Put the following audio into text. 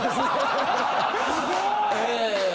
ええ。